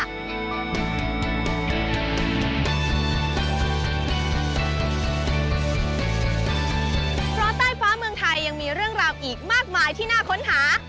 เพราะใต้ฟ้าเมืองไทยยังมีเรื่องราวอีกมากมายที่น่าค้นหา